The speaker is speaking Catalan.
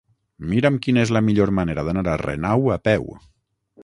Mira'm quina és la millor manera d'anar a Renau a peu.